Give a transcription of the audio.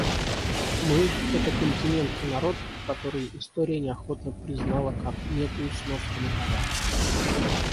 Мы — это континент и народ, которые история неохотно признала как некую сноску на полях.